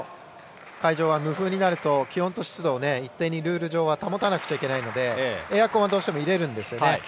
会場は無風になると、気温と湿度を一定にルール上は保たなくちゃいけないのでエアコンは入れるんですね。